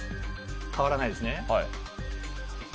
変わらないですね。